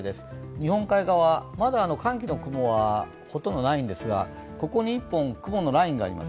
日本海側、まだ寒気の雲はないんですがほとんどないんですが、ここに１本雲のラインがあります。